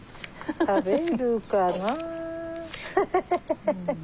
食べるかな？